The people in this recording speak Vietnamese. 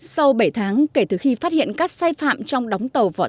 sau bảy tháng kể từ khi phát hiện các sai phạm trong đóng tàu vỏ sắt